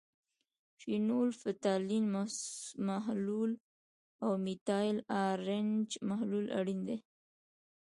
فینول فتالین محلول او میتایل ارنج محلول اړین دي.